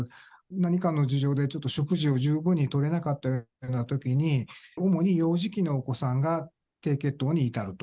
何かの事情でちょっと食事を十分にとれなかったようなときに、主に幼児期のお子さんが低血糖に至ると。